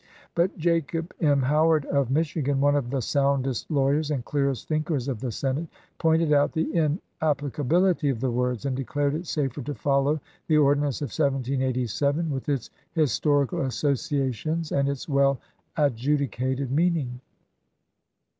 But Jacob M. Howard of Michigan, one of the soundest lawyers and clearest thinkers of the Senate, pointed out the inapplica bility of the words, and declared it safer to follow the Ordinance of 1787, with its historical associa tions and its well adjudicated meaning.